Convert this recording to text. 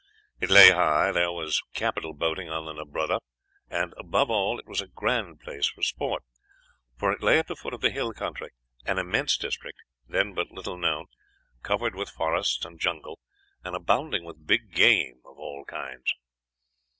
It lay high, there was capital boating on the Nerbudda, and, above all, it was a grand place for sport, for it lay at the foot of the hill country, an immense district, then but little known, covered with forests and jungle, and abounding with big game of all kinds.